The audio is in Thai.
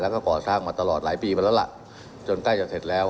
แล้วก็ก่อสร้างมาตลอดหลายปีมาแล้วล่ะจนใกล้จะเสร็จแล้ว